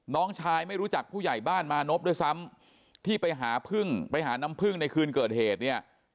น้องชายไม่รู้จักผู้ใหญ่บ้านมานพด้วยซ้ำที่ไปหาพึ่งไปหาน้ำพึ่งในคืนเกิดเหตุเนี่ย